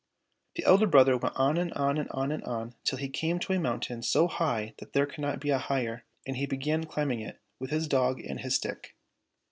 The elder brother went on and on and on till he came to a mountain so high that there cannot be a higher, and he began climbing it with his dog and his stick.